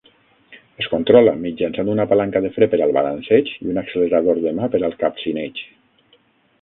Es controla mitjançant una palanca de fre per al balanceig i un accelerador de mà per al capcineig.